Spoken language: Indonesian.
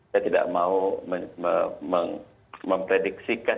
saya tidak mau memprediksikan